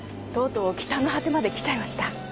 とうとう北の果てまで来ちゃいました。